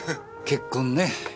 結婚ね